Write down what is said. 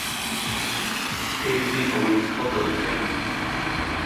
Skrivit din ma welit traoù da ouzhpennañ.